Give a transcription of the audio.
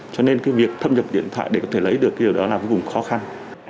cho nên cái việc thâm nhập điện thoại để có thể lấy được cái điều đó là vô cùng khó khăn